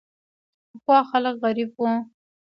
پخوا خلک غریب وو.